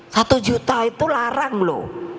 satu juta itu larang loh